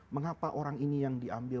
mengapa orang ini yang diambil